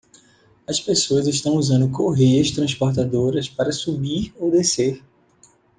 As pessoas estão usando correias transportadoras para subir ou descer.